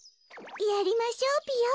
やりましょうぴよ。